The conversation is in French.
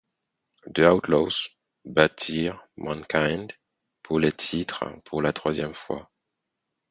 The Outlaws battirent Mankind pour les titres pour la troisième fois.